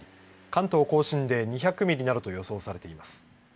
関東甲信で２００ミリなどと予想されています。